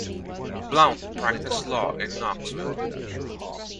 Blount practiced law in Knoxville.